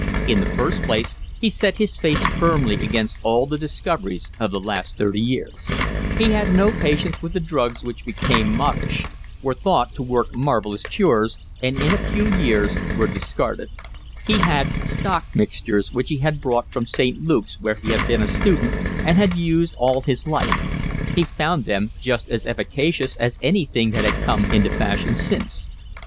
In the first place, he set his face firmly against all the discoveries of the last thirty years: he had no patience with the drugs which became modish, were thought to work marvellous cures, and in a few years were discarded; he had stock mixtures which he had brought from St. Luke's where he had been a student, and had used all his life; he found them just as efficacious as anything that had come into fashion since.